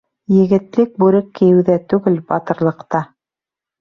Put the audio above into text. Егетлек бүрек кейеүҙә түгел, батырлыҡта.